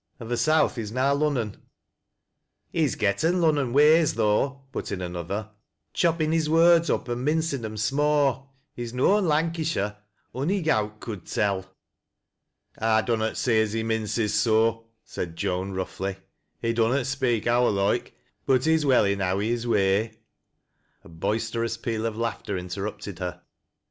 An th' South is na Lunnon." "He's getten' Lunnon ways tho'," put in anothei A DIFFICULT OABE. g '' Choppin' Mb words up an' mincin' 'em sma'. JBe'i noan Lancashire, ony gowk could tell." '•'I dunnot see as he minces so," said Joan roughly. " He dunnot speak our loike, but he's well enow i' hin way." A boisterous peal of laughter interrupted her.